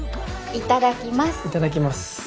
いただきます。